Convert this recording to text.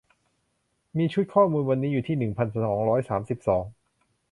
มีชุดข้อมูลวันนี้อยู่ที่ หนึ่งพันสองร้อยสามสิบสอง